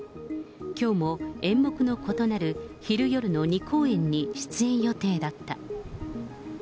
きょうも演目の異なる昼夜の２公演に出演予定だった。